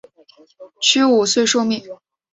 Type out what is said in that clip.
屈武遂受命。